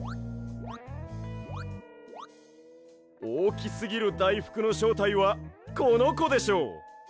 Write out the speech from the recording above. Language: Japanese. おおきすぎるだいふくのしょうたいはこのこでしょう。